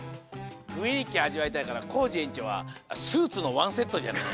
ふんいきあじわいたいからコージえんちょうはスーツの１セットじゃない？